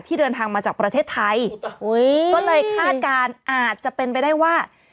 เดินทางมาจากประเทศไทยก็เลยคาดการณ์อาจจะเป็นไปได้ว่า